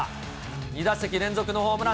２打席連続のホームラン。